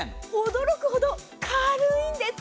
驚くほど軽いんです。